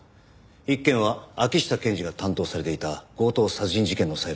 一件は秋下検事が担当されていた強盗殺人事件の裁判。